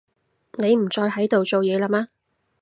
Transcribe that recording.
你唔再喺度做嘢啦嘛